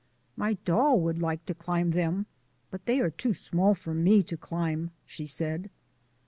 "My doll would like to climb them but they are too small for me to climb," she said.